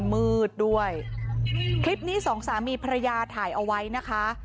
มืดด้วยคลิปนี้สองสามีภรรยาถ่ายเอาไว้นะคะ